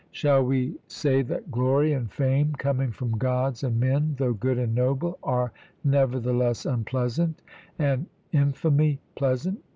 Shall we say that glory and fame, coming from Gods and men, though good and noble, are nevertheless unpleasant, and infamy pleasant?